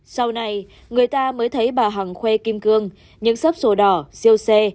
sau này người ta mới thấy bà hằng khoe kim cương những sấp sổ đỏ siêu xe